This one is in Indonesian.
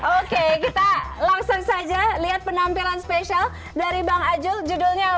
oke kita langsung saja lihat penampilan spesial dari bang ajul judulnya